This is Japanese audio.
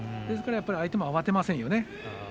ですから相手も慌てませんよね。